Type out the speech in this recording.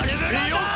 「よっ！